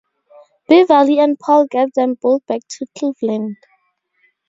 Beverly and Paul get them both back to Cleveland.